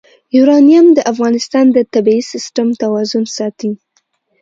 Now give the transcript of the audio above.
یورانیم د افغانستان د طبعي سیسټم توازن ساتي.